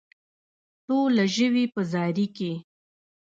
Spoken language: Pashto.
ټوله ژوي په زاري کې.